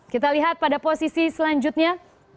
kita lihat pada posisi selanjutnya